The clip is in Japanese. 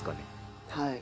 はい。